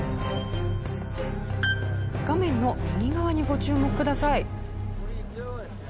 画面の右側にご注目ください。